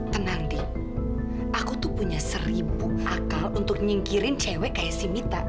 tenang deh aku tuh punya seribu akal untuk nyingkirin cewek kayak si mita